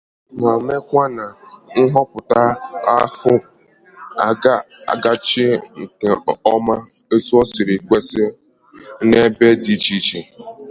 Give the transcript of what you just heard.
ma mekwa na nhọpụta ahụ agachaghị nke ọma etu o siri kwesi n'ebe dị icheiche.